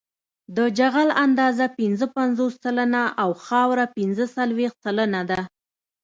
د جغل اندازه پنځه پنځوس سلنه او خاوره پنځه څلویښت سلنه ده